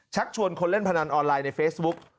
ชวนคนเล่นพนันออนไลน์ในเฟซบุ๊ก